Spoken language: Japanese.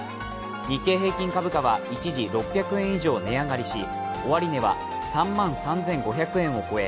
日経平均株価は一時６００円以上値上がりし、終値は３万３５００円を超え